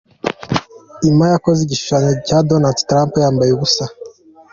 Illma yakoze igishushanyo cya Donald Trump yambaye ubusa.